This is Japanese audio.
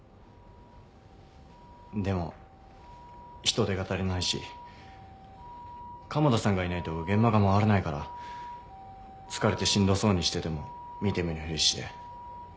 でも人手が足りないし鴨田さんがいないと現場が回らないから疲れてしんどそうにしてても見て見ぬふりして。